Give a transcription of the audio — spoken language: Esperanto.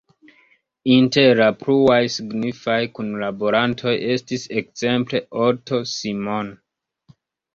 Inter la pluaj signifaj kunlaborantoj estis ekzemple Otto Simon.